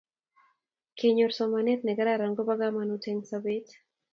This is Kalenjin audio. Kenyor somanet ne kararan ko po kamonut eng' sobet